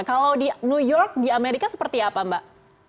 kalau di new york di amerika seperti apa mbak